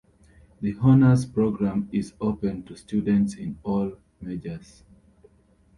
The Honors program is open to students in all majors.